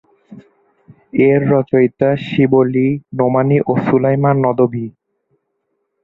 এর রচয়িতা শিবলী নোমানী ও সুলাইমান নদভী।